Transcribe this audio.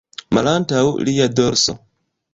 Malantaŭ lia dorso.